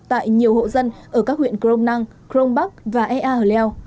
tại nhiều hộ dân ở các huyện crom năng crong bắc và ea hờ leo